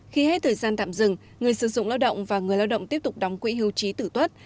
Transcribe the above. khi hết thời gian tạm dừng người sử dụng lao động và người lao động tiếp tục đóng quỹ hưu trí tử tuất